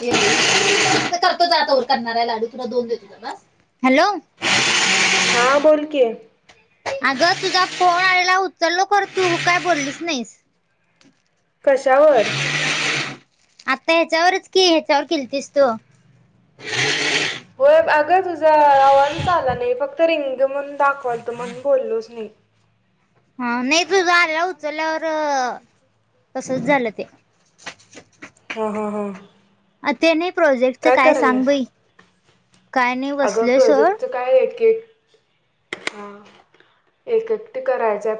करतो जा तवर करणारा हाय लाडू तुला दोन देतो. त हॅलो हा बोलकी. अगं तुझा फोन आलेला उचललो खरं तू काय बोललीस नाहीस. कशावर. आता ह्याच्यावरच कि ह्याच्यावर केलतीस तू. होय अगं तुझा आवाजच आला नाही, फक्त रिंग म्हणून दाखवालत म्हण बोललोच नाही. हा नाही तुझ आल्यावर उचल्यावर, तसच झालं ते, हा हा हां अ ते नाही प्रोजेक्टच काय सांग बाई. काय नाही अगं बसलोय सोड प्रोजेक्ट काय एकेक एक एकटी करायचाय.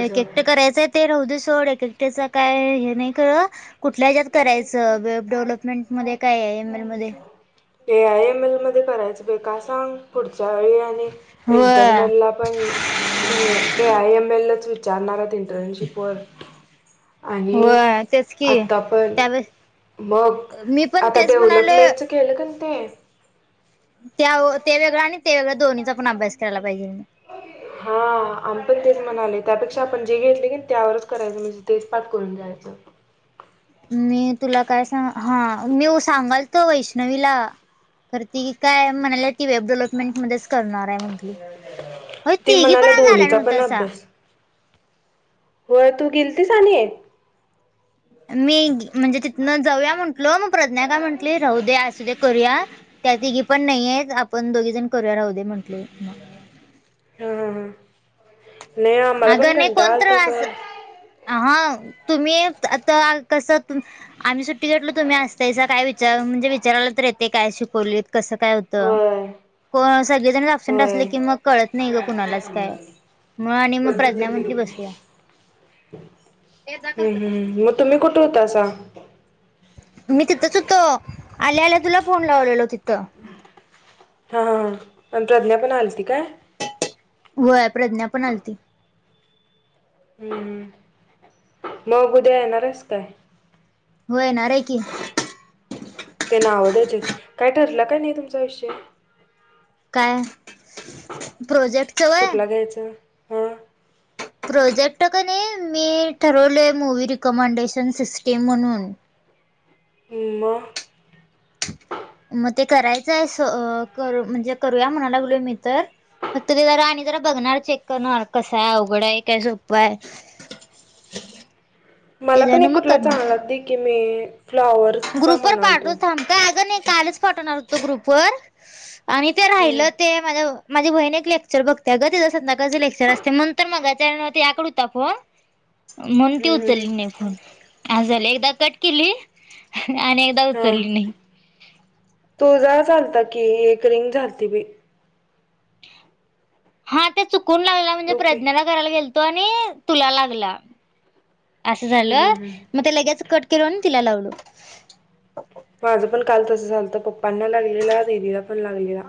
एक एकटं करायचंय ते राहद सोड एक एकट्याच काय हे नाही खरं कुठल्या हेज्यात करायचं वेब डेव्हलपमेंट मध्ये काय ए आय यम एल मध्ये. ए आय एम एल मध्ये करायचं बाई का सांग, पुढच्या वेळी आणि व इंटरनेलला पण A A I M L वि विचारणारत इंटर्नशिपवर. व आणि तेच की आता पण त्यावेळेस बघ मी पण आता तेच डेव्हलप म्हणाले मे च केलं. ते [unintelligible] त्या ते वेगळं आणि ते वेगळं दोन्हीचा पण अभ्यास करायला पाहिजे मी. हा आम्ही पण तेच म्हणाले त्यापेक्षा आपण जे घेतले की त्यावरच करायचं म्हणजे तेच पाठ करून जायचं. मी तुला काय सांग हा मी सांगाल तो वैष्णवीला. खरं ती काय म्हणालेय ती वेब डेव्हलपमेंट मध्येच करणार आहे म्हण होय ती तिघी म्हणाल्या पण आज आला दोन्हीचा पण नव्हतासा. व्हय तू गेलतीस आणि? मी तिथनं जऊया म्हणलो मग प्रज्ञा काय म्हंटली राहू दे असू दे, करूया त्यातिघी पण नाहीय आपण दोघी जण करूया राहू दे म्हटली. हां हां हां नाही आम्हाला पण अगं नाही कंटाळा कोणतर आलता सोड आस आ हा तुम्ही आता कस तु- आम्ही सुट्टी घेतलो तुम्ही असतासा काय विचार म्हणजे विचारयला तर येते काय शिकवलीत कसं काय होत. होय को सगळेजणच अबसेंट होय. असले की मग कळत नाही ग कुणालाच काय. मग आणि मग प्रज्ञा पंचाअत्तर किलो, म्हटली बसूया. हम्म हम्म मग तुम्ही कुठं होतासा? मी तिथंच होतो आल्या आल्या तुला फोन लावलेलो तिथं. हा ह ह आणि प्रज्ञा पण आलती काय? होय प्रज्ञा पण आलती हम्म हम्म. मग उद्या येणार हायस काय? होय येणाराय की ते नाव द्याचेत काय ठरलं काय नाई तुमचा विषय काय प्रोजेक्टच वय त्याच प्रोजेक्ट कनी मी ठरलोय मूवी रिकमेंडेशन सिस्टीम म्हणून हम म म ते करायचंय स कर म्हणजे करूया म्हणालागलोय मी तर फक्त ते जरा आणि जरा बघणार चेक करणार कसं आहे अवघडय काय सोप हाय [unintelligible] मला पण एक कुटला चांगला दी की मी फ्लॉवर ग्रुप वर पाठवत थांब काय अ गं नइ कालच पाठवणार हुतो ग्रुपवर आणि ते हम्म राहिलं ते माझ माजी बहिण एक लेक्चर बघत्या गं तिज संद्याकाळच लेक्चर असतय मनुन मगाच्यान तियाकड हुता फोण म्हणुन ती हम्म उचल्ली नइ हम्म फोन हास झाल एकदा कट केली आणि एकदा उचल्ली नइ तु जा च आलता की एक रिंग झालती बइ हा ते चुकून लागला म्हणजे तू की प्रज्ञाला करायला गेलतो आणि तुला लागला असं हम्म झालं हम्म हम्म मग ते लगेचं कट केलो आणि तिला लावलो माझं पण काल तसं झालत पप्पांना लागलेला दिदीला पण लागलेला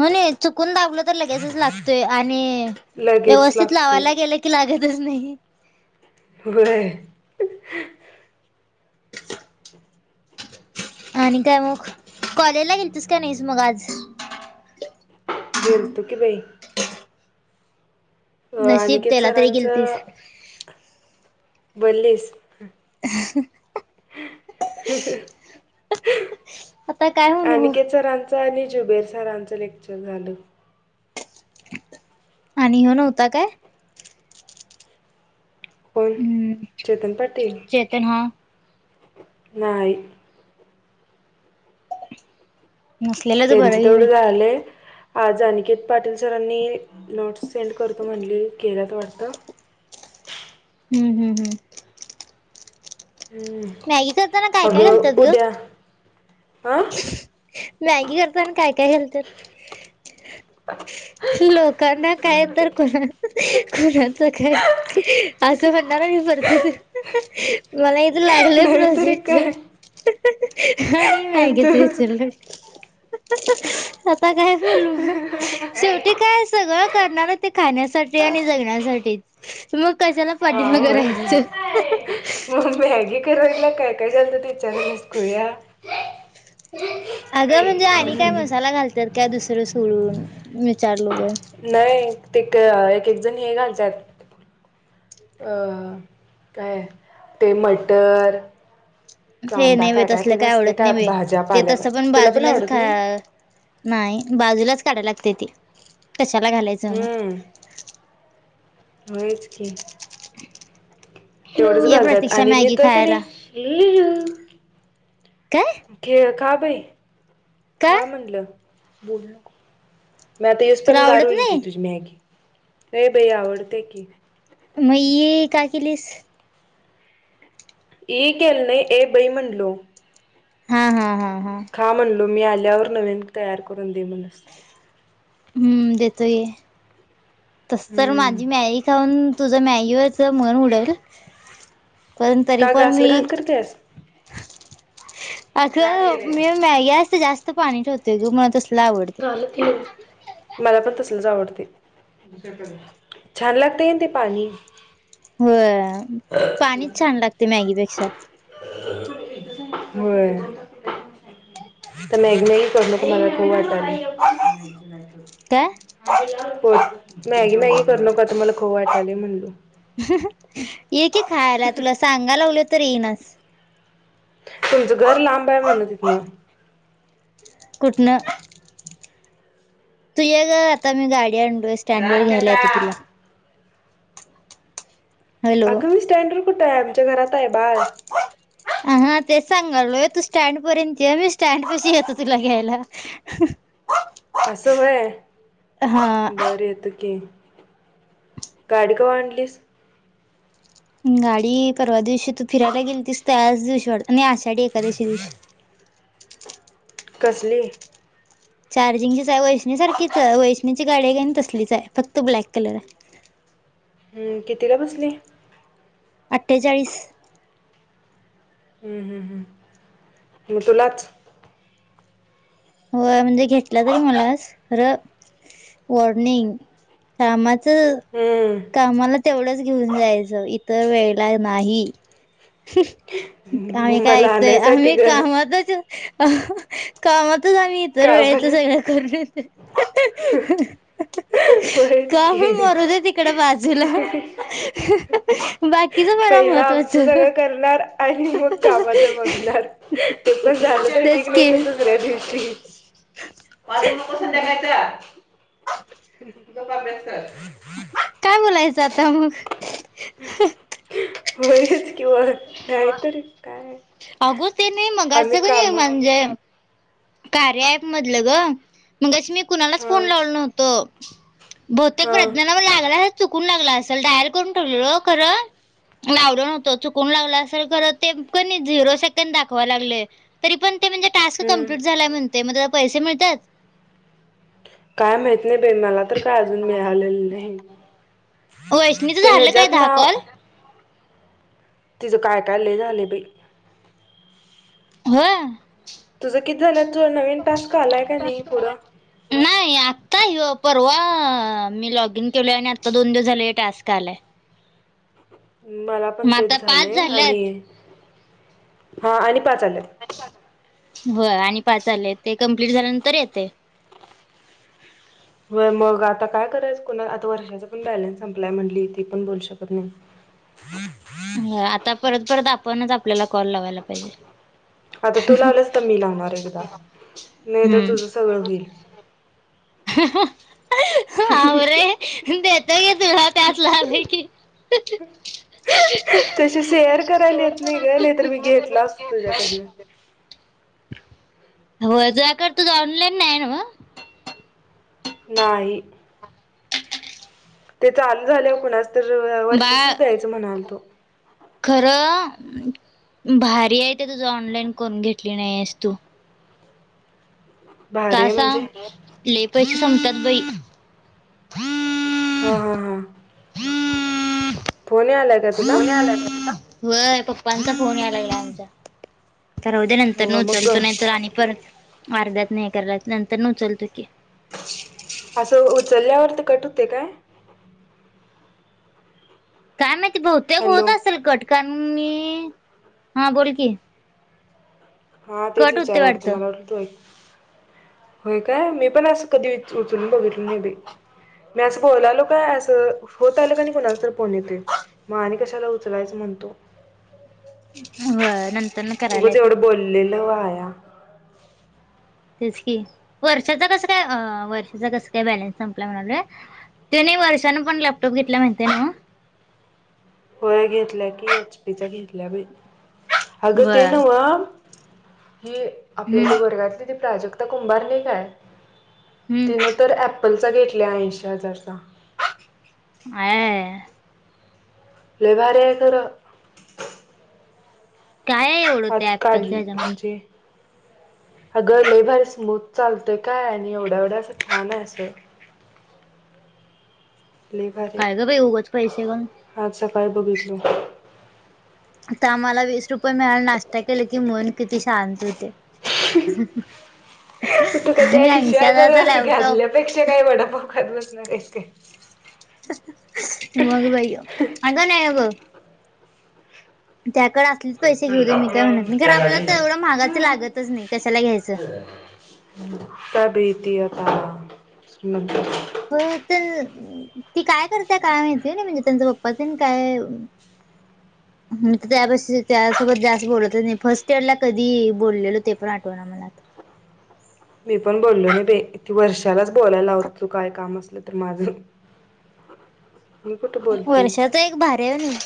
होनी चुकून दाबलं तर लगेचच लागतोय आणि लगेच व्यवस्थित लागतोय लावायला गेलं की कि लागतच नाइ व्हय [unintelligible] आणि काय मग कॉलेजला गेलतीस काय नइस मग आज गेलतो की बई अ, नशिब अनिकेत तेला तरी गिलतिस सरांचं बोल्लिस [unintelligible] [unintelligible] आता काय म्हणू मग अनिकेत सरांच आणि जुबेर सरांचं लेक्चर झालं आणि ह्यो नव्ता काय कोन चेतन पाटील तेन हा नाई नसलेलंच तेंच बरं घे तेवड बाई झालय आज आनिकेत पाटील सरांनी नोट्स सेंड करतो म्हणलेलित केल्यात वाडतं हम् हम हम्म मॅगी करताना काय काय घालतात अगं ग उद्या हा मॅगी करतना काय काय घालत्यास? लोकांना काय तर कुणा कोणाच काय असं म्हणणार मि परतीच मला इत लागलंय नाहीतरी काय प्रोजेक्टच आणि ही मॅगी आता काय बोलू मग. शेवटी काय सगळं करणाराय ते खाण्यासाठी आणि जग ण्यासाठी मग कशाला हा पाठिमाग होय रहायचं. मग मॅगी सुरुवातीला काय काय घालत्यात विचारला नाहीस खुळ्या? अगं म्हणजे आणि काय मसाला घालत्यात त्या दुसरं सोडून, विचारलो गं. नाही, क ते एक एक जण हे घालत्यात अं काय ते मटर हे कांदा नाही बाई तसलं ते काय नसते आवडत नाही बाई, भाज्या ते पाल्या तसं पण तुला बाजूलाच आवडत खा नाही नाही, बाजूलाच काढाय लागतय ते, कशाला घालाय हम्म, होयच की. तेवढच ये घालत्यात, प्रतीक्षा आणि मी मॅगी तर कनी खायला हम्म काय खेळ खा बाई का खा म्हणलं बोलू नको मी आता युस तुला पर्यंत गार आवडत होईल की नाही तुझी मॅगी, ए बई आवडत्या की. मग ई का केलीस? ई केेलो नाई, ए बाई म्हणलो. हा हा हा हा. हा म्हणलो मी आल्यावर नवीन तयार करून दे म्हणस. हम्म, देतो ये. तस तर हम्म माझी मॅगी खाऊन तुझं मॅगीवरचं मन उडंल. पण तरी का ग पण असलं मी घाण करतेस अगं मी मॅगी असं जास्त पाणी ठेवतोय ग, मला तसलं आवड मला पण तसलच आवडतय. छान लागतय कनी ते पाणी. होय, पाणीच छान लागतय मॅगीपेक्षा. होय आता मॅगी मॅगी करू नको मला खाऊ वाटालय. काय मॅगी मॅगी करू नको आता मला खाऊ वाटालय म्हणलो. ये की खायाला तुला सांगालागलोय तर येईनास. तुमचं घर लांब हाय म्हणलं तिथनं. कुठनं? तू ये ग आता मी गाडी आणलोसं जा स्टँडवर की घ्यायला येतो आता. तुला. हॅलो अग मी स्टँडवर कुठाय आमच्या घरात हाय बाळ. [inaudible] हा हा तेच सांगालोय तू स्टँड पर्यंत ये मी स्टँड पशी येतो तुला घ्यायला. [unintelligible] असं होय हा बर येतो की. गाडी कवा आणलीस? गाडी परवा दिवशी, तू फिरायला गीलतीस त्याच दिवशी वाटत, नाही आशाढी एकादशी दिवशी. कसली? चार्जिंगचीच आहे, वैष्णीसारखीच वैष्णीची गाडी हाय का नाही तसलीच आहे, फक्त ब्लॅक कलर हाय. हम्म, कितीला बसली? अठ्ठेचाळीस. हम्म हम्म हम्म म तुलाच. हो म्हणजे घेतला बई मलाचं खरं वॉर्निंग कामाचं हम्म कामाला तेवढंच घेऊन जायचं इतर वेळेला नाही. आम्ही काय मला ऐकतोय आणायसाठी आम्ही ग. कामातच. अह कामातच आम्ही. का बरं? [unintelligible] अहहह होयच काम की. मरू दे तिकड बाजूला, अहहह. पहिलं आमचं सगळं करणार आणि मग कामाच बघणार. ते पण झालं तर ठिक तेच नाय की तर दुसऱ्या दिवशी. मागू नको संध्याकाळच गप्प अभ्यास कर. काय बोलायचं आता मग. होयच की मग नाही तरीच काय? अग ते मी मघाच आम्ही कनी काम म्हणजे.. कार्या ॲप मधलं ग मगाशी मी कुणालाच हा फोन लावलो नव्हतो. बहुतेक हा प्रज्ञाला मग लागला अस चुकून लागला असेल डायल करून ठेवलेल खरं. लावलो नव्हतो चुकून लागला असेल खरं ते क नी झिरो सेकंद दाखवा लागलय. तरी पण ते म्हणजे टास्क हम्म कंप्लीट झाला म्हणते मग त्याला पैसे मिळत्यात? काय माहीत नाही बाई मला तर काय अजून मिळालेलं नाही. वैष्णीच ते झालं काय ह्याच्यात दहा नाव. कॉल तिचं काय काय लय झालंय बाई. होय. तुझं किती झाल्यात नवीन टास्क आलाय का नाही पुढं? नाही. नाही आत्ता ह्यो परवा मी लॉग इन केलोय आणि आता दोन दिवस झाले टास्क आलाय. मला पण मग आता तेच पाच झाले आणि, झाल्यात हा आणि पाच आल्यात. होय, आणि पाच आले ते कम्प्लीट झाल्यानंतर येतय होय, मग आता काय करायचं कोणा आता वर्षाचा पण बॅलन्स संपलाय म्हणली ती पण बोलू शकत नाही. आता परत परत आपणच आपल्याला कॉल लावायला पाहिजे. आता तू लावलंस तर मी लावणार एकदा नाही तर हम्म तुझं सगळं होईल. हहह. हावरे, देतो की तुला त्यातल आलं की तसे शेअर करायला देत नाही ग नाही तर मी घेतला असतो तुझ्याकडन. होय तुझ्याकडे तुझ ऑनलाईन नाय न्हवं. नाही. ते चालू झाल्यावर कुणाच तर वर्षीच बाळ द्यायच म्हणालतो. खरं, भारी आहे ते तुझ ऑनलाईन करून घेतली नाहीस तू. भारी का आहे म्हणजे सांग लय पैसे संपतात बाई. हां हां हां. [inaudible] [inaudible] फोन यायलाय. फोन यायला तुमचा, होय पप्पांचा फोन यायला आहे आमचा. राहुदेत नंतरन हो मग ग उचलतो नाही तर आणि परत अर्ध्याात न हे करायला लागत, नंतरनी उचलतो की. असं उचलल्यावरती कट होतोय काय? काय माहिती बहुतेक होत हॅलो असेल कट कारण मी हा बोल की. हा तेच कट होते विचाराल वाटतं मला वाटलं तू. होय, काय मी पण असं कधी उचलून बघितल नाही बाई मी असं बोलालो काय असं होत आलं कनई कुणाचं तर फोन येतोय. म आणि कशाला उचलायचं म्हणतो, व्हयं नं उगंच एवढं बोललेलं वाया. तेच की, वर्षाचा कसं काय अ वर्षाचा कसं काय बॅलन्स संपला म्हणालोय. ते नाही वर्षानं पण लॅपटॉप घेतल्या माहितीय नव्हं. व्हयं घेतल्या की एच पी चा घेतल्या बई अगं बर ते नव हि आपल्या हम्म ते वर्गातली प्राजक्ता कुंभार नाही काय तिनं हम्म तर ऍप्पलचा घेतल्या ऐंशी हजारचा. आयाययययय... लई भारी हाय खरं. काय. आज त्या ऍपलच्या काढल्या ह्याच्यामध्ये म्हणजे- अगं लई भारी स्मूथ चालतोय काय आणि एवढा -एवढा असं छान आहे असं. लई भारी काय ग बाई उगच पैसे घालून आहे, आज सकाळी बघितलो. हितं आम्हांला वीस रुपये मिळालं, नाष्टा केलं की मन किती शांत हुतयं. आणि ऐंशी हजाराचा लॅपटॉप. पेक्षा काय वडापाव खात बसणार आहेस काय. मग भई अगं नाही अग. त्यजाकडं असलीच पैसे घेऊ चल दे मी दाखवून काय या मग म्हणत नाही, त्या खरं आपल्याला तेवढं महागाचं गाडीनं लागतच नाही कशाला घ्यायचं. हं काय भीती आता मंतर होय तर ती काय करत्या काय माहिती होय नई म्हणजे त्यांचा प पप्पा तेन काय मी तर त्यजापशी त्यासोबत जास्त बोलतच नाही, फर्स्ट इयरला कधी बोललेलो ते पण आठवत रामनाथ मी पण बोललो नाही बई ती वर्षालाच बोलायला लावत हुतो काय काम असलं तर माझं‌. [unintelligible] बोलते वर्षाचं एक भारी हाय होय नाही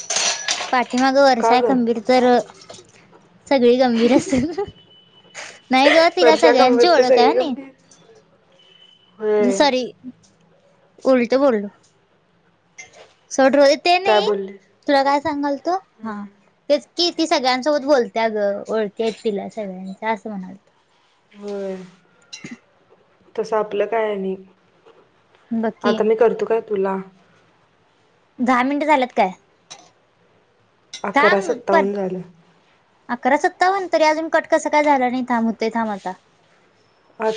पाठीमागं का वर्षा ग खंबीर तर सगळी गंभीर असत्यात, नाही गं तिला वर्षा सगळ्यांची गंभीर तर ओळख आहे सगळी होय नई. गंभीर होय स्वारी उलटं बोललो सोड रोहित ते काय नाही बोललीस तुला काय सांगालतो हा तेच की, ती सगळ्यांसोबत बोलत्या ग ओळखी हायत तिला सगळ्यांच्या असं म्हणालतो. व्हय. [inaudible] तस आपलं काय आणि बघ की आता मी करतो काय तुला. दहा मिनिटं झाल्यात काय? अकरा थांब पर सत्तावन्न झालं अकरा सत्तावन्न तरी अजून कट कसं काय झाला नाही थांब हुतयं थांब आता. आता